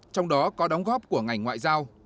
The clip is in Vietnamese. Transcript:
trong đó có đóng góp của ngành ngoại giao